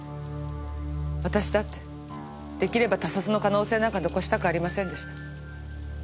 私だってできれば他殺の可能性なんか残したくありませんでした。